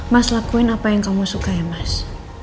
mas lakuin apa yang kamu suka ya mas